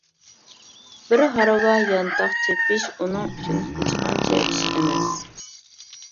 بىر ھارۋا يانتاق چېپىش ئۇنىڭ ئۈچۈن ھېچقانچە ئىش ئەمەس.